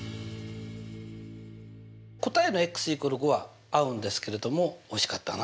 答えの＝５は合うんですけれども惜しかったな。